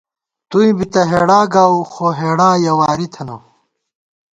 توئیں بی تہ ہېڑا گاؤو، خو ہېڑا یَہ واری تھنہ